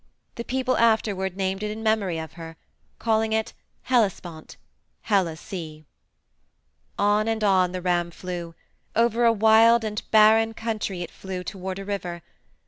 The people afterward named it in memory of her, calling it 'Hellespont' 'Helle's Sea.' "On and on the ram flew. Over a wild and barren country it flew and toward a river.